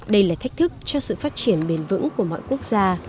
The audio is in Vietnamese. đây là thách thức cho sự phát triển bền vững của mọi quốc gia